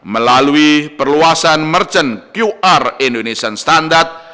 melalui perluasan merchant qr indonesian standard